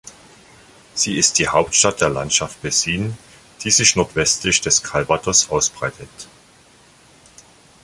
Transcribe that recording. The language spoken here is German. Sie ist die Hauptstadt der Landschaft Bessin, die sich nordwestlich des Calvados ausbreitet.